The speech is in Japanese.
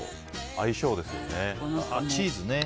相性ですよね。